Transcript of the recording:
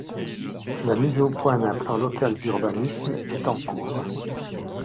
La mise au point d'un plan local d'urbanisme est en cours.